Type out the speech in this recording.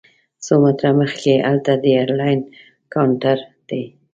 څو متره مخکې هلته د ایرلاین کاونټر دی.